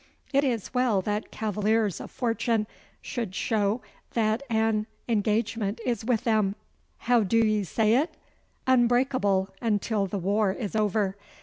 It is well that cavaliers of fortune should show that an engagement is with them how do ye say it? unbreakable until the war is over.